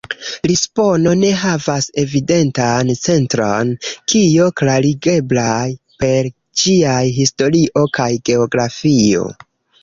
Lisbono ne havas evidentan centron, kio klarigeblas per ĝiaj historio kaj geografio.